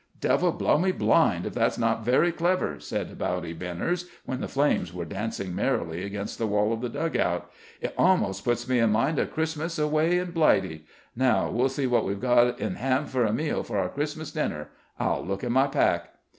"Devil blow me blind if that's not very clever," said Bowdy Benners when the flames were dancing merrily against the wall of the dugout. "It almost puts me in mind of Christmas away in Blighty. Now we'll see what we've in hand for a meal for our Christmas dinner. I'll look in my pack."